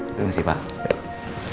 terima kasih pak